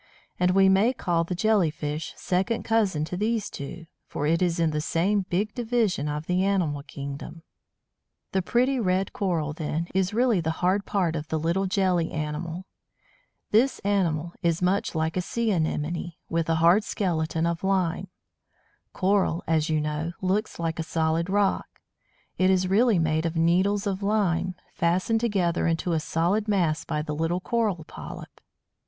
And we may call the Jellyfish second cousin to these two, for it is in the same big division of the animal kingdom. The pretty red Coral, then, is really the hard part of a little jelly animal. This animal is much like a Sea anemone, with a hard skeleton of lime. Coral, as you know, looks like a solid rock; it is really made of needles of lime, fastened together into a solid mass by the little Coral Polyp.